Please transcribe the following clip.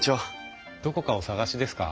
どこかお探しですか？